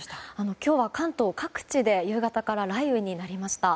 今日は関東各地で夕方から雷雨になりました。